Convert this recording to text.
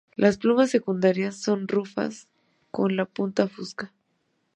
Las plumas secundarias son rufas con la punta fusca.